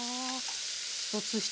一つ一つ